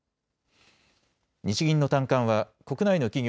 日銀の短観は国内の企業